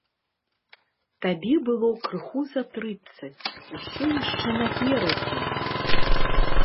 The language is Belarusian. Табе было крыху за трыццаць, усё яшчэ наперадзе!